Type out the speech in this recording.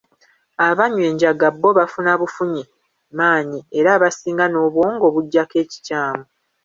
Abanywa enjaga bo bafuna bufunyi maanyi era abasinga n'obwongo bujjako ekikyamu.